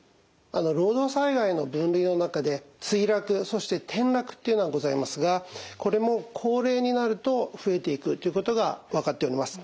労働災害の分類の中で墜落そして転落というのがございますがこれも高齢になると増えていくということが分かっております。